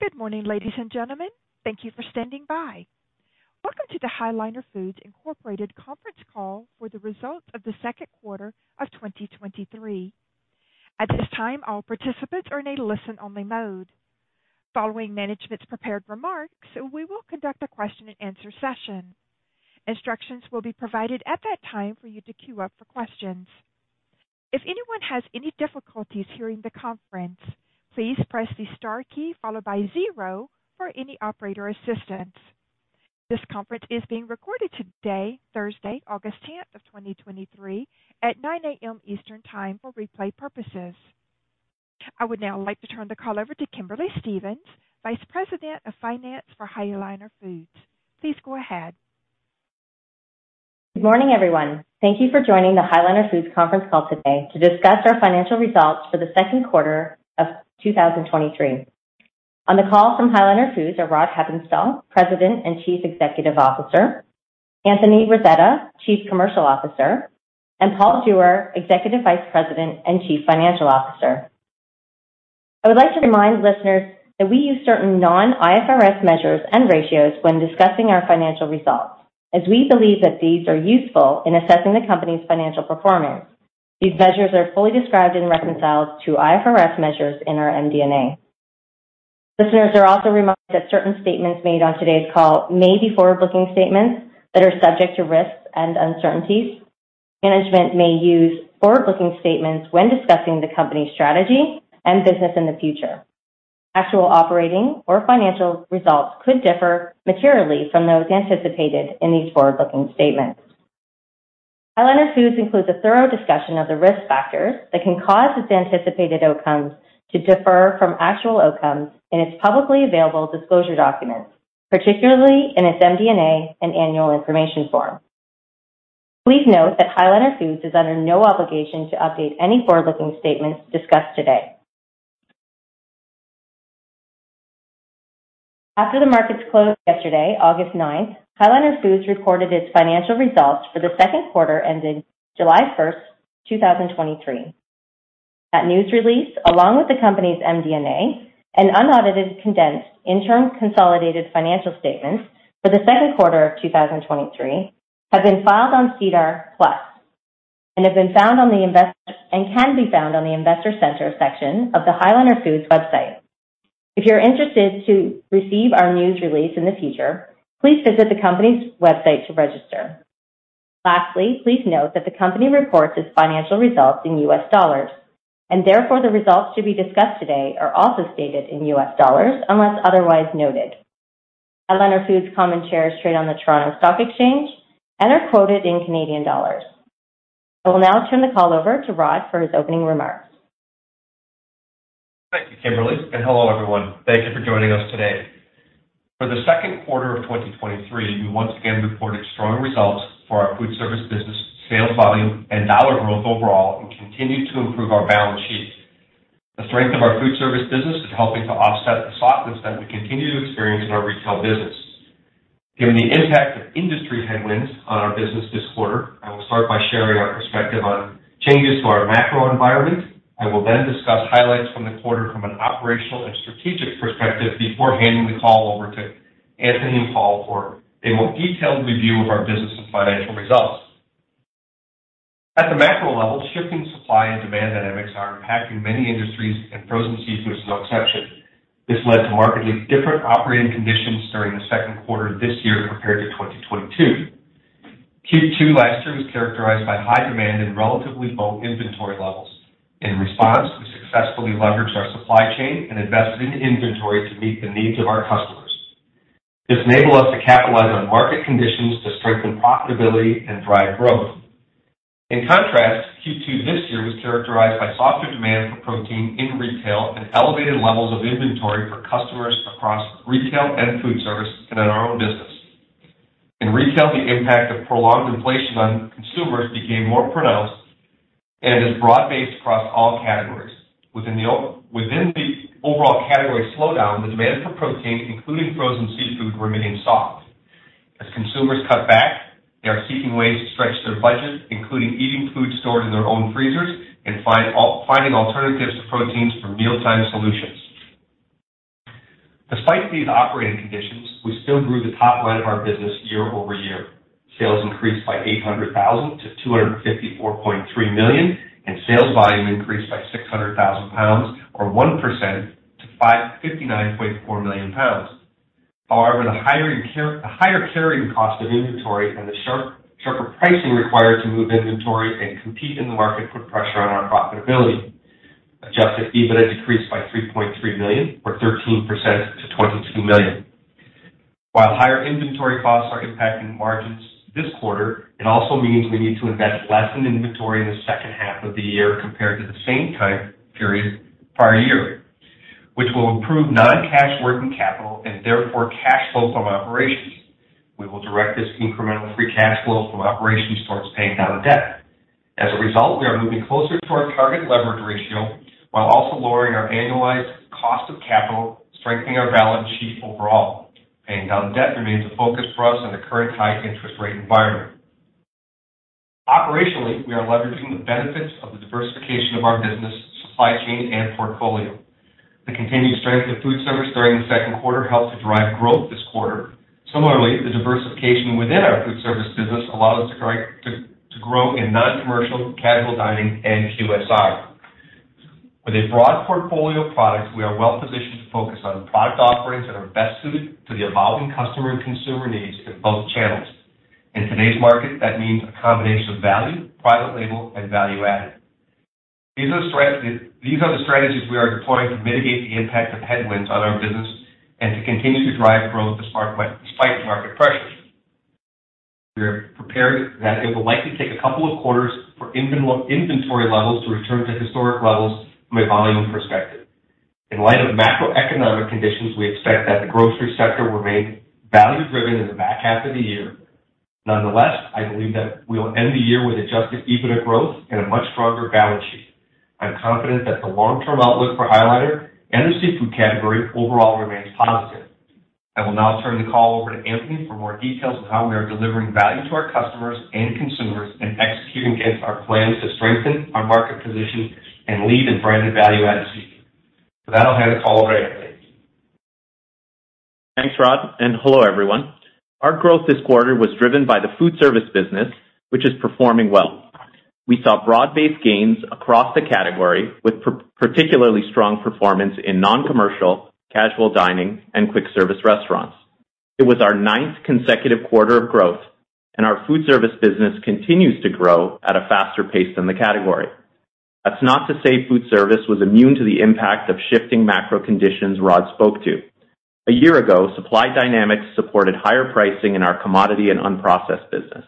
Good morning, ladies and gentlemen. Thank you for standing by. Welcome to the High Liner Foods Incorporated conference call for the results of the Q2 of 2023. At this time, all participants are in a listen-only mode. Following management's prepared remarks, we will conduct a question-and-answer session. Instructions will be provided at that time for you to queue up for questions. If anyone has any difficulties hearing the conference, please press the star key followed by zero for any operator assistance. This conference is being recorded today, Thursday, August 10th, 2023 at 9:00 A.M. Eastern Time for replay purposes. I would now like to turn the call over to Kimberly Stephens, Vice President of Finance for High Liner Foods. Please go ahead. Good morning, everyone. Thank you for joining the High Liner Foods conference call today to discuss our financial results for the Q2 of 2023. On the call from High Liner Foods are Rod Hepponstall, President and Chief Executive Officer, Anthony Rasetta, Chief Commercial Officer, and Paul Jewer, Executive Vice President and Chief Financial Officer. I would like to remind listeners that we use certain non-IFRS measures and ratios when discussing our financial results, as we believe that these are useful in assessing the company's financial performance. These measures are fully described and reconciled to IFRS measures in our MD&A. Listeners are also reminded that certain statements made on today's call may be forward-looking statements that are subject to risks and uncertainties. Management may use forward-looking statements when discussing the company's strategy and business in the future. Actual operating or financial results could differ materially from those anticipated in these forward-looking statements. High Liner Foods includes a thorough discussion of the risk factors that can cause its anticipated outcomes to differ from actual outcomes in its publicly available disclosure documents, particularly in its MD&A and Annual Information Form. Please note that High Liner Foods is under no obligation to update any forward-looking statements discussed today. After the markets closed yesterday, August 9th, High Liner Foods reported its financial results for the Q2 ending July 1st, 2023. That news release, along with the company's MD&A and unaudited condensed interim consolidated financial statements for the Q2 of 2023, have been filed on SEDAR+ and can be found on the Investor Center section of the High Liner Foods website. Please note that the company reports its financial results in U.S. dollars, and therefore the results to be discussed today are also stated in U.S. dollars, unless otherwise noted. High Liner Foods common shares trade on the Toronto Stock Exchange and are quoted in Canadian dollars. I will now turn the call over to Rod for his opening remarks. Thank you, Kimberly. Hello, everyone. Thank you for joining us today. For the Q2 of 2023, we once again reported strong results for our food service business, sales volume and dollar growth overall, and continued to improve our balance sheet. The strength of our food service business is helping to offset the softness that we continue to experience in our retail business. Given the impact of industry headwinds on our business this quarter, I will start by sharing our perspective on changes to our macro environment. I will discuss highlights from the quarter from an operational and strategic perspective before handing the call over to Anthony and Paul for a more detailed review of our business and financial results. At the macro level, shifting supply and demand dynamics are impacting many industries. Frozen seafood is no exception. This led to markedly different operating conditions during the Q2 this year compared to 2022. Q2 last year was characterized by high demand and relatively low inventory levels. In response, we successfully leveraged our supply chain and invested in inventory to meet the needs of our customers. This enabled us to capitalize on market conditions to strengthen profitability and drive growth. In contrast, Q2 this year was characterized by softer demand for protein in retail and elevated levels of inventory for customers across retail and food service and in our own business. In retail, the impact of prolonged inflation on consumers became more pronounced and is broad-based across all categories. Within the overall category slowdown, the demand for protein, including frozen seafood, remained soft. As consumers cut back, they are seeking ways to stretch their budget, including eating food stored in their own freezers and finding alternatives to proteins for mealtime solutions. Despite these operating conditions, we still grew the top line of our business year-over-year. Sales increased by $800,000 to $254.3 million, and sales volume increased by 600,000 pounds, or 1% to 59.4 million pounds. However, the higher carrying cost of inventory and the sharper pricing required to move inventory and compete in the market put pressure on our profitability. Adjusted EBITDA decreased by $3.3 million, or 13% to $22 million. While higher inventory costs are impacting margins this quarter, it also means we need to invest less in inventory in the second half of the year compared to the same time period prior year, which will improve non-cash working capital and therefore cash flow from operations. We will direct this incremental free cash flow from operations towards paying down debt. As a result, we are moving closer to our target leverage ratio while also lowering our annualized cost of capital, strengthening our balance sheet overall. Paying down debt remains a focus for us in the current high interest rate environment.... Operationally, we are leveraging the benefits of the diversification of our business, supply chain, and portfolio. The continued strength of food service during the Q2 helped to drive growth this quarter. Similarly, the diversification within our food service business allowed us to grow, to grow in non-commercial, casual dining, and QSR. With a broad portfolio of products, we are well-positioned to focus on product offerings that are best suited to the evolving customer and consumer needs in both channels. In today's market, that means a combination of value, private label, and value-added. These are the strategies we are deploying to mitigate the impact of headwinds on our business and to continue to drive growth despite market pressures. We are prepared that it will likely take a couple of quarters for inventory levels to return to historic levels from a volume perspective. In light of macroeconomic conditions, we expect that the grocery sector will remain value-driven in the back half of the year. Nonetheless, I believe that we will end the year with adjusted EBITDA growth and a much stronger balance sheet. I'm confident that the long-term outlook for High Liner and the seafood category overall remains positive. I will now turn the call over to Anthony for more details on how we are delivering value to our customers and consumers, and executing against our plans to strengthen our market position and lead in branded value-added seafood. With that, I'll hand the call over to Anthony. Thanks, Rod. Hello, everyone. Our growth this quarter was driven by the food service business, which is performing well. We saw broad-based gains across the category, with particularly strong performance in non-commercial, casual dining, and quick service restaurants. It was our ninth consecutive quarter of growth, and our food service business continues to grow at a faster pace than the category. That's not to say food service was immune to the impact of shifting macro conditions Rod spoke to. A year ago, supply dynamics supported higher pricing in our commodity and unprocessed business.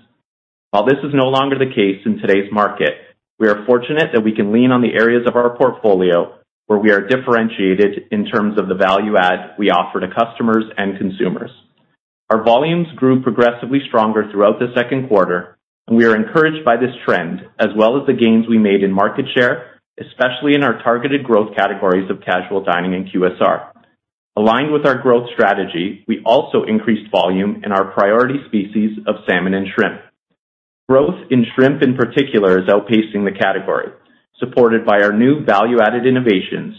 While this is no longer the case in today's market, we are fortunate that we can lean on the areas of our portfolio where we are differentiated in terms of the value-add we offer to customers and consumers. Our volumes grew progressively stronger throughout the Q2, and we are encouraged by this trend, as well as the gains we made in market share, especially in our targeted growth categories of casual dining and QSR. Aligned with our growth strategy, we also increased volume in our priority species of salmon and shrimp. Growth in shrimp, in particular, is outpacing the category, supported by our new value-added innovations,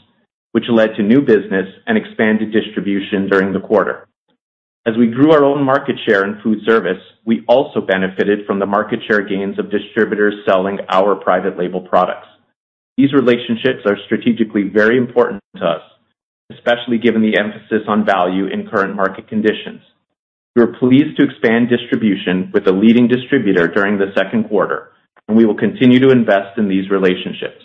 which led to new business and expanded distribution during the quarter. As we grew our own market share in food service, we also benefited from the market share gains of distributors selling our private label products. These relationships are strategically very important to us, especially given the emphasis on value in current market conditions. We are pleased to expand distribution with a leading distributor during the Q2, and we will continue to invest in these relationships.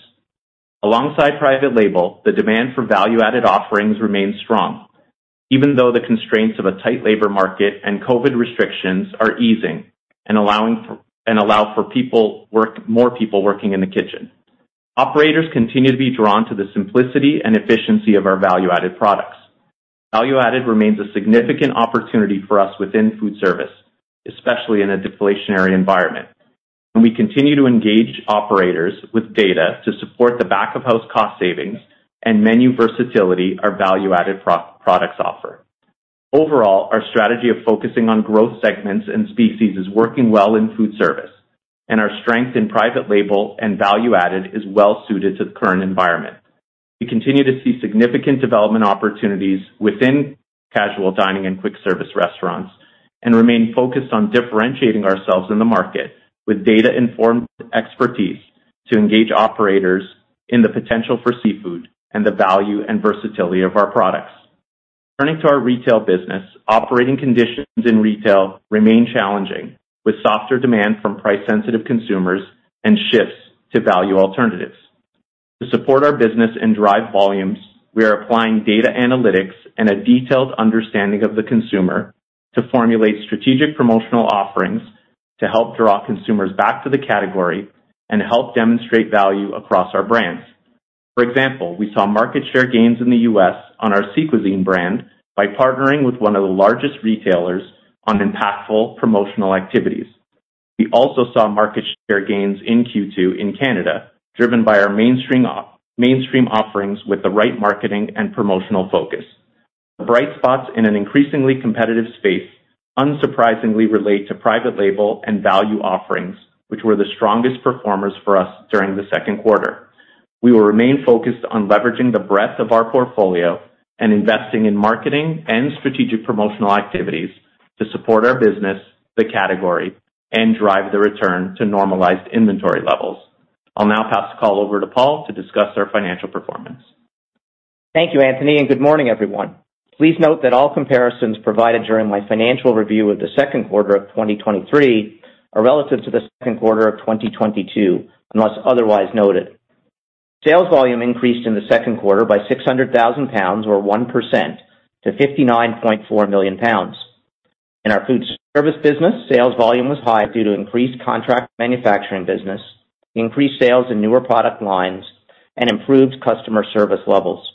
Alongside private label, the demand for value-added offerings remains strong, even though the constraints of a tight labor market and COVID restrictions are easing and and allow for people work, More people working in the kitchen. Operators continue to be drawn to the simplicity and efficiency of our value-added products. Value-added remains a significant opportunity for us within food service, especially in a deflationary environment, and we continue to engage operators with data to support the back-of-house cost savings and menu versatility our value-added products offer. Overall, our strategy of focusing on growth segments and species is working well in food service, and our strength in private label and value-added is well suited to the current environment. We continue to see significant development opportunities within casual dining and quick service restaurants, and remain focused on differentiating ourselves in the market with data-informed expertise to engage operators in the potential for seafood and the value and versatility of our products. Turning to our retail business, operating conditions in retail remain challenging, with softer demand from price-sensitive consumers and shifts to value alternatives. To support our business and drive volumes, we are applying data analytics and a detailed understanding of the consumer to formulate strategic promotional offerings to help draw consumers back to the category and help demonstrate value across our brands. For example, we saw market share gains in the U.S. on our Sea Cuisine brand by partnering with one of the largest retailers on impactful promotional activities. We also saw market share gains in Q2 in Canada, driven by our mainstream mainstream offerings with the right marketing and promotional focus. Bright spots in an increasingly competitive space unsurprisingly relate to private label and value offerings, which were the strongest performers for us during the Q2. We will remain focused on leveraging the breadth of our portfolio and investing in marketing and strategic promotional activities to support our business, the category, and drive the return to normalized inventory levels. I'll now pass the call over to Paul to discuss our financial performance. Thank you, Anthony, and good morning, everyone. Please note that all comparisons provided during my financial review of the Q2 of 2023 are relative to the Q2 of 2022, unless otherwise noted. Sales volume increased in the Q2 by 600,000 pounds, or 1%, to 59.4 million pounds. In our food service business, sales volume was high due to increased contract manufacturing business, increased sales in newer product lines, and improved customer service levels.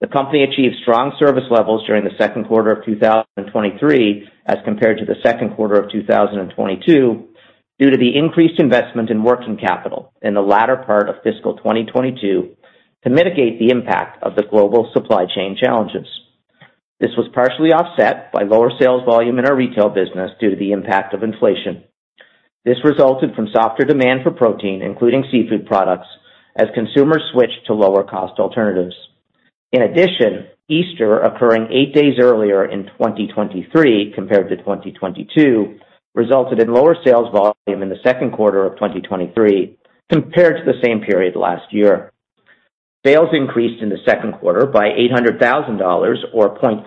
The company achieved strong service levels during the Q2 of 2023, as compared to the Q2 of 2022, due to the increased investment in working capital in the latter part of fiscal 2022 to mitigate the impact of the global supply chain challenges.... This was partially offset by lower sales volume in our retail business due to the impact of inflation. This resulted from softer demand for protein, including seafood products, as consumers switched to lower cost alternatives. In addition, Easter occurring eight days earlier in 2023 compared to 2022, resulted in lower sales volume in Q2 2023 compared to the same period last year. Sales increased in Q2 by $800,000 or 0.3%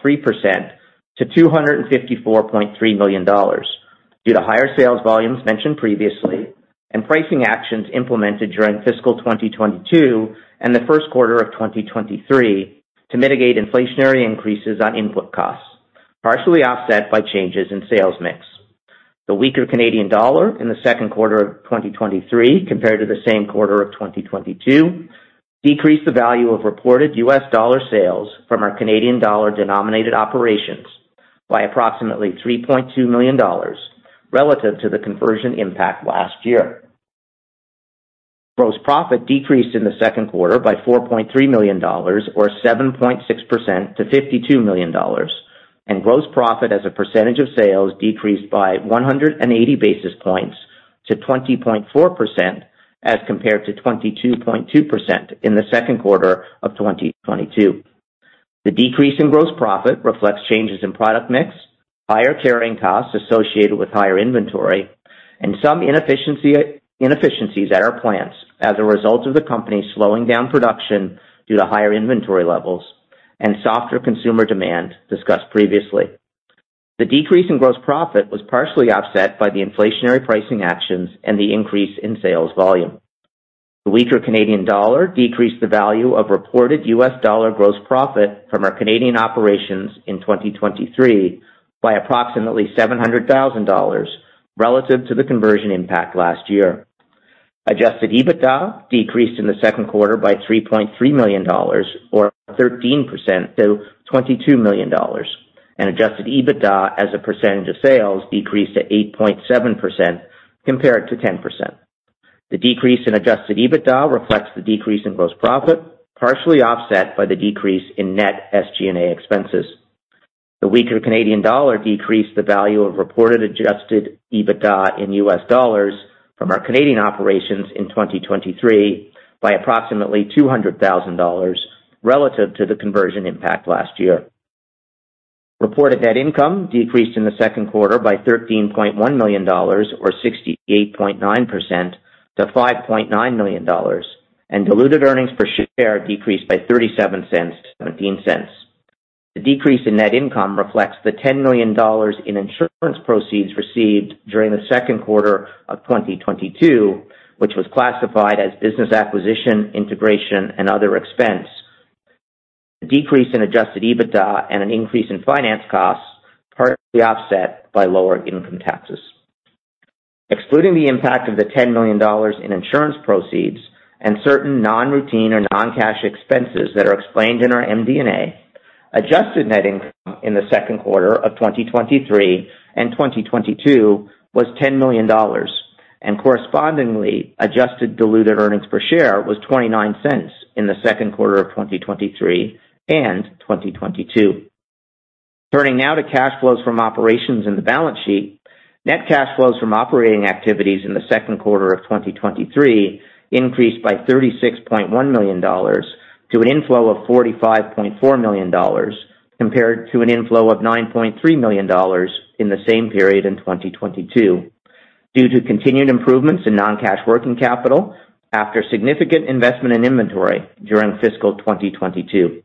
to $254.3 million, due to higher sales volumes mentioned previously and pricing actions implemented during fiscal 2022 and Q1 2023 to mitigate inflationary increases on input costs, partially offset by changes in sales mix. The weaker Canadian dollar in the Q2 of 2023 compared to the same quarter of 2022, decreased the value of reported US dollar sales from our Canadian dollar-denominated operations by approximately $3.2 million relative to the conversion impact last year. Gross profit decreased in the Q2 by $4.3 million, or 7.6% to $52 million, and gross profit as a percentage of sales decreased by 180 basis points to 20.4%, as compared to 22.2% in the Q2 of 2022. The decrease in gross profit reflects changes in product mix, higher carrying costs associated with higher inventory, and some inefficiencies at our plants as a result of the company slowing down production due to higher inventory levels and softer consumer demand discussed previously. The decrease in gross profit was partially offset by the inflationary pricing actions and the increase in sales volume. The weaker Canadian dollar decreased the value of reported US dollar gross profit from our Canadian operations in 2023 by approximately $700,000 relative to the conversion impact last year. Adjusted EBITDA decreased in the Q2 by $3.3 million, or 13% to $22 million, and Adjusted EBITDA as a percentage of sales decreased to 8.7% compared to 10%. The decrease in Adjusted EBITDA reflects the decrease in gross profit, partially offset by the decrease in net SG&A expenses. The weaker Canadian dollar decreased the value of reported Adjusted EBITDA in US dollars from our Canadian operations in 2023 by approximately $200,000 relative to the conversion impact last year. Reported net income decreased in the Q2 by $13.1 million, or 68.9% to $5.9 million, and diluted earnings per share decreased by $0.37 to $0.17. The decrease in net income reflects the $10 million in insurance proceeds received during the Q2 of 2022, which was classified as business acquisition, integration and other expense. A decrease in Adjusted EBITDA and an increase in finance costs, partly offset by lower income taxes. Excluding the impact of the $10 million in insurance proceeds and certain non-routine or non-cash expenses that are explained in our MD&A, adjusted net income in the Q2 of 2023 and 2022 was $10 million, and correspondingly Adjusted diluted earnings per share was $0.29 in the Q2 of 2023 and 2022. Turning now to cash flows from operations in the balance sheet. Net cash flows from operating activities in the Q2 of 2023 increased by $36.1 million to an inflow of $45.4 million, compared to an inflow of $9.3 million in the same period in 2022, due to continued improvements in non-cash working capital after significant investment in inventory during fiscal 2022.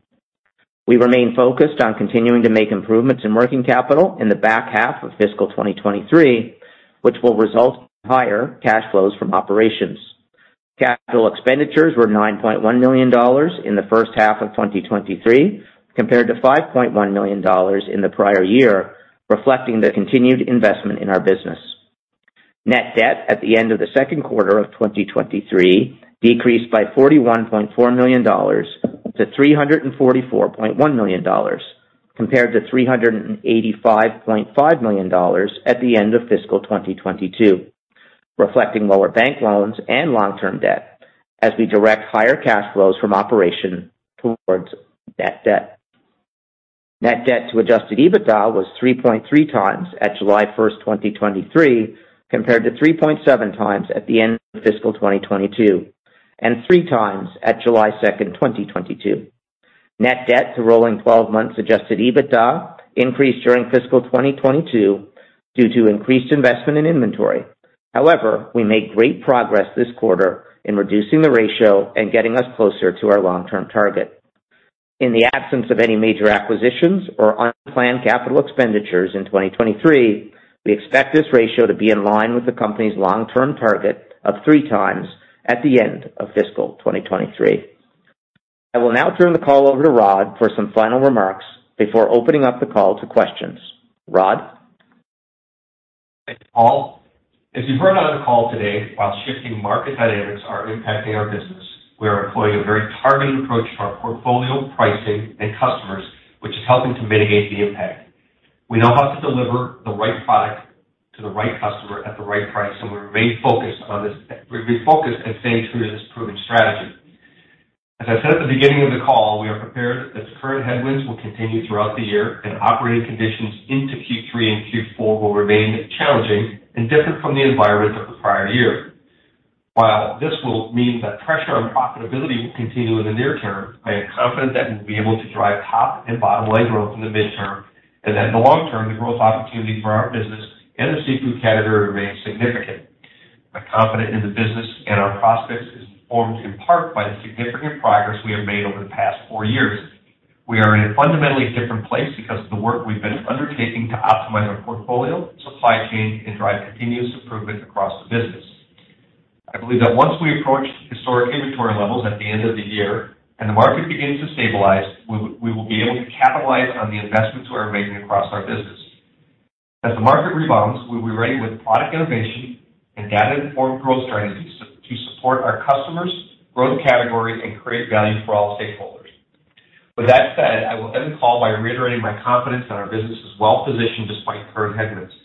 We remain focused on continuing to make improvements in working capital in the back half of fiscal 2023, which will result in higher cash flows from operations. Capital expenditures were $9.1 million in the first half of 2023, compared to $5.1 million in the prior year, reflecting the continued investment in our business. Net debt at the end of the Q2 of 2023 decreased by $41.4 million to $344.1 million, compared to $385.5 million at the end of fiscal 2022, reflecting lower bank loans and long-term debt as we direct higher cash flows from operation towards net debt. Net debt to adjusted EBITDA was 3.3x at July 1, 2023, compared to 3.7x at the end of fiscal 2022, and 3x at July 2, 2022. Net debt to rolling 12 months adjusted EBITDA increased during fiscal 2022 due to increased investment in inventory. However, we made great progress this quarter in reducing the ratio and getting us closer to our long-term target. In the absence of any major acquisitions or unplanned capital expenditures in 2023, we expect this ratio to be in line with the company's long-term target of 3x at the end of fiscal 2023. I will now turn the call over to Rod for some final remarks before opening up the call to questions. Rod? Thanks, Paul. As you heard on the call today, while shifting market dynamics are impacting our business, we are employing a very targeted approach to our portfolio, pricing, and customers, which is helping to mitigate the impact. We know how to deliver the right product to the right customer at the right price, and we remain focused on this. We're focused and staying true to this proven strategy. As I said at the beginning of the call, we are prepared that current headwinds will continue throughout the year, and operating conditions into Q3 and Q4 will remain challenging and different from the environment of the prior year. While this will mean that pressure on profitability will continue in the near term, I am confident that we'll be able to drive top and bottom-line growth in the mid-term, and that in the long term, the growth opportunity for our business and the seafood category remains significant. My confidence in the business and our prospects is formed in part by the significant progress we have made over the past four years. We are in a fundamentally different place because of the work we've been undertaking to optimize our portfolio, supply chain and drive continuous improvement across the business. I believe that once we approach historic inventory levels at the end of the year and the market begins to stabilize, we will, we will be able to capitalize on the investments we are making across our business. As the market rebounds, we'll be ready with product innovation and data-informed growth strategies to support our customers, grow the category and create value for all stakeholders. With that said, I will end the call by reiterating my confidence that our business is well positioned despite current headwinds.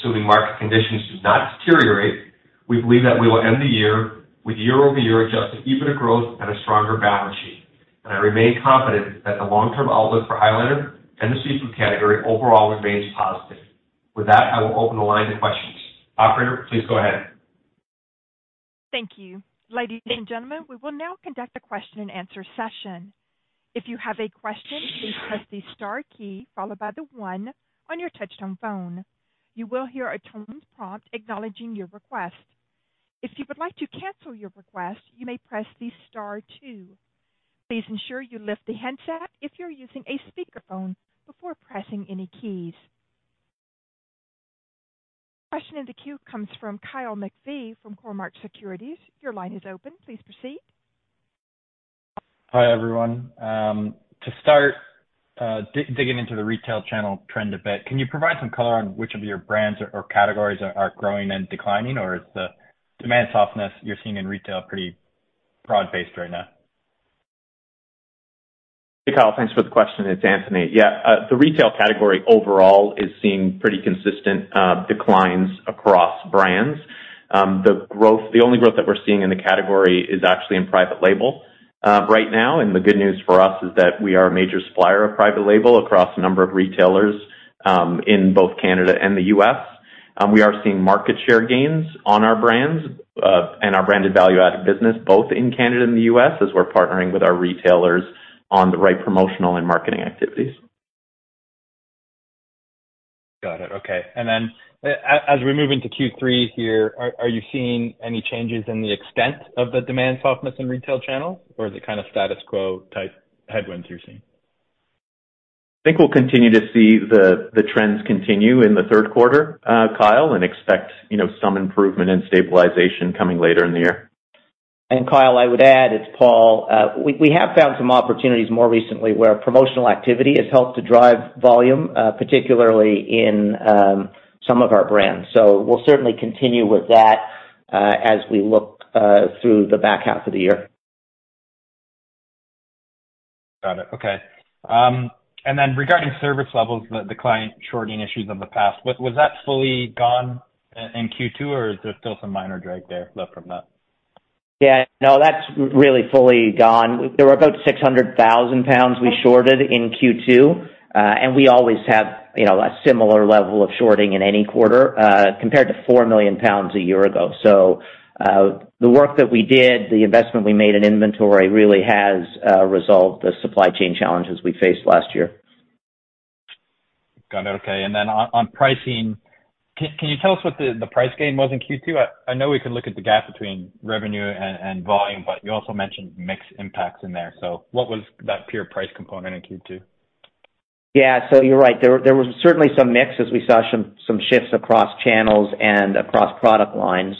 Assuming market conditions do not deteriorate, we believe that we will end the year with year-over-year Adjusted EBITDA growth and a stronger balance sheet. I remain confident that the long-term outlook for High Liner and the seafood category overall remains positive. With that, I will open the line to questions. Operator, please go ahead. Thank you. Ladies and gentlemen, we will now conduct a question and answer session. If you have a question, please press the star key followed by the one on your touchtone phone. You will hear a toned prompt acknowledging your request. If you would like to cancel your request, you may press the star two. Please ensure you lift the handset if you're using a speakerphone before pressing any keys. Question in the queue comes from Kyle McPhee from Cormark Securities. Your line is open. Please proceed. Hi, everyone. To start, digging into the retail channel trend a bit, can you provide some color on which of your brands or categories are growing and declining, or is the demand softness you're seeing in retail pretty broad-based right now? Hey, Kyle, thanks for the question. It's Anthony. Yeah, the retail category overall is seeing pretty consistent declines across brands. The growth, the only growth that we're seeing in the category is actually in private label right now. The good news for us is that we are a major supplier of private label across a number of retailers in both Canada and the US. We are seeing market share gains on our brands and our branded value-added business, both in Canada and the US, as we're partnering with our retailers on the right promotional and marketing activities. Got it. Okay. As we move into Q3 here, are, are you seeing any changes in the extent of the demand softness in retail channel, or is it kind of status quo type headwinds you're seeing? I think we'll continue to see the, the trends continue in the Q3, Kyle, and expect, you know, some improvement in stabilization coming later in the year. Kyle, I would add, it's Paul. We, we have found some opportunities more recently where promotional activity has helped to drive volume, particularly in some of our brands. We'll certainly continue with that as we look through the back half of the year. Got it. Okay. Regarding service levels, the, the client shorting issues of the past, was, was that fully gone in, in Q2, or is there still some minor drag there left from that? Yeah. No, that's really fully gone. There were about 600,000 pounds we shorted in Q2. We always have, you know, a similar level of shorting in any quarter, compared to 4 million pounds a year ago. The work that we did, the investment we made in inventory, really has resolved the supply chain challenges we faced last year. Got it. Okay. On pricing, Can you tell us what the price gain was in Q2? I know we can look at the gap between revenue and volume, but you also mentioned mix impacts in there. What was that pure price component in Q2? Yeah. You're right. There, there was certainly some mix as we saw some, some shifts across channels and across product lines.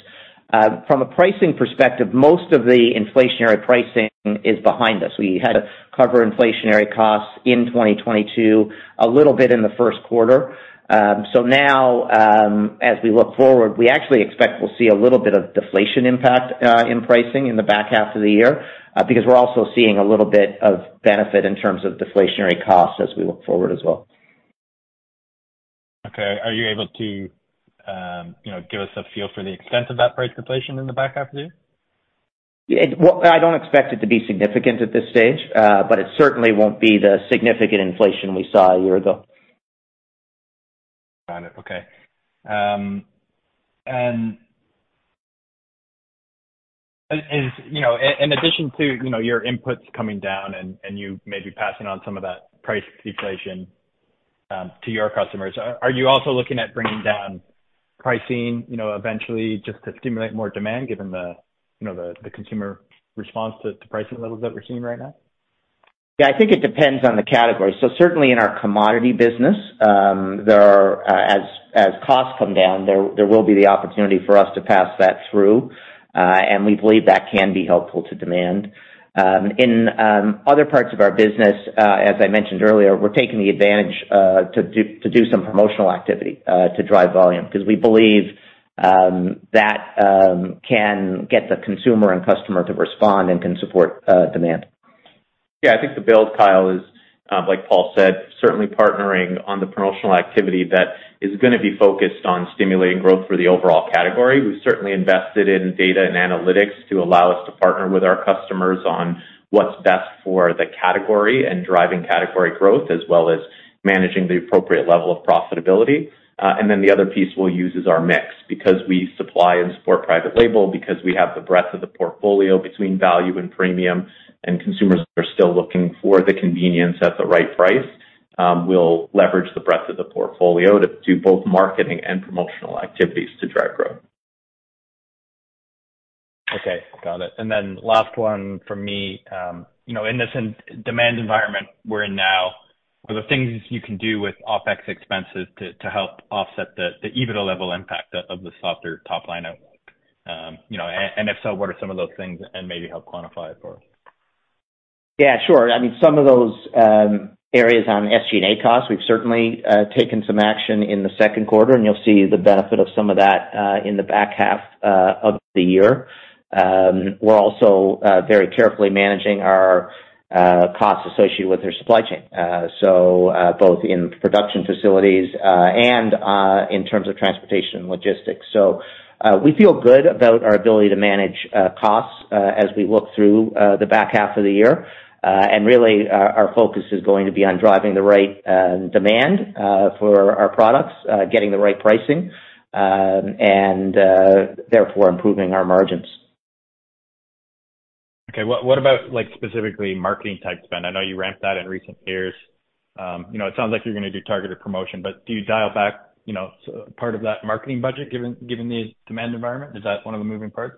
From a pricing perspective, most of the inflationary pricing is behind us. We had to cover inflationary costs in 2022, a little bit in the Q1. As we look forward, we actually expect we'll see a little bit of deflation impact in pricing in the back half of the year, because we're also seeing a little bit of benefit in terms of deflationary costs as we look forward as well. Okay. Are you able to, you know, give us a feel for the extent of that price deflation in the back half of the year? Well, I don't expect it to be significant at this stage, but it certainly won't be the significant inflation we saw a year ago. Got it. Okay. You know, in addition to, you know, your inputs coming down and you maybe passing on some of that price deflation to your customers, are you also looking at bringing down pricing, you know, eventually, just to stimulate more demand, given the, you know, the consumer response to pricing levels that we're seeing right now? Yeah, I think it depends on the category. Certainly in our commodity business, there are, as, as costs come down, there, there will be the opportunity for us to pass that through, and we believe that can be helpful to demand. In other parts of our business, as I mentioned earlier, we're taking the advantage, to do, to do some promotional activity, to drive volume, because we believe, that, can get the consumer and customer to respond and can support, demand. Yeah, I think the build, Kyle, is, like Paul said, certainly partnering on the promotional activity that is gonna be focused on stimulating growth for the overall category. We've certainly invested in data and analytics to allow us to partner with our customers on what's best for the category and driving category growth, as well as managing the appropriate level of profitability. The other piece we'll use is our mix, because we supply and support private label, because we have the breadth of the portfolio between value and premium, and consumers are still looking for the convenience at the right price. We'll leverage the breadth of the portfolio to do both marketing and promotional activities to drive growth. Okay, got it. Then last one from me. You know, in this in- demand environment we're in now, are the things you can do with OpEx expenses to, to help offset the, the EBITDA level impact of, of the softer top line outlook? You know, and if so, what are some of those things, and maybe help quantify it for us. Sure. I mean, some of those areas on SG&A costs, we've certainly taken some action in the Q2, and you'll see the benefit of some of that in the back half of the year. We're also very carefully managing our costs associated with their supply chain. Both in production facilities and in terms of transportation and logistics. We feel good about our ability to manage costs as we look through the back half of the year. Really, our focus is going to be on driving the right demand for our products, getting the right pricing, and therefore, improving our margins. Okay. What, what about, like, specifically marketing type spend? I know you ramped that in recent years. You know, it sounds like you're gonna do targeted promotion, but do you dial back, you know, part of that marketing budget, given, given the demand environment? Is that one of the moving parts?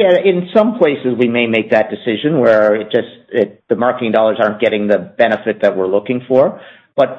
Yeah. In some places we may make that decision, where it just the marketing dollars aren't getting the benefit that we're looking for.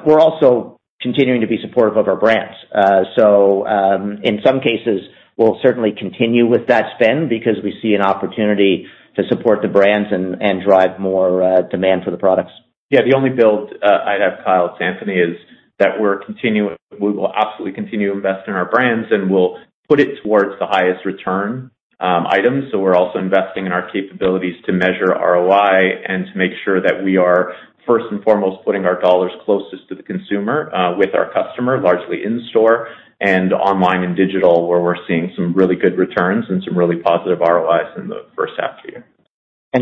We're also continuing to be supportive of our brands. In some cases, we'll certainly continue with that spend because we see an opportunity to support the brands and drive more, demand for the products. Yeah, the only build I'd add, Kyle, to Anthony, is that we will absolutely continue to invest in our brands, and we'll put it towards the highest return items. We're also investing in our capabilities to measure ROI and to make sure that we are first and foremost, putting our dollars closest to the consumer with our customer, largely in store and online and digital, where we're seeing some really good returns and some really positive ROIs in the first half of the year.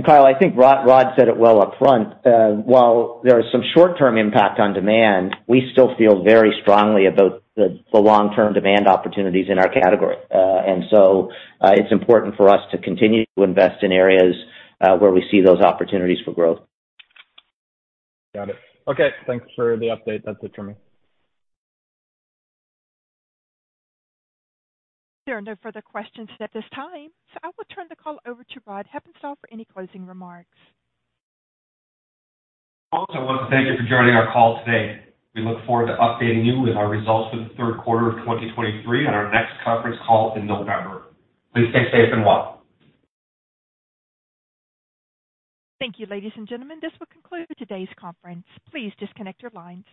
Kyle, I think Rod said it well upfront. While there is some short-term impact on demand, we still feel very strongly about the, the long-term demand opportunities in our category. It's important for us to continue to invest in areas where we see those opportunities for growth. Got it. Okay, thanks for the update. That's it for me. There are no further questions at this time. I will turn the call over to Rod Hepponstall for any closing remarks. I want to thank you for joining our call today. We look forward to updating you with our results for the Q3 of 2023 on our next conference call in November. Please stay safe and well. Thank you, ladies and gentlemen. This will conclude today's conference. Please disconnect your lines.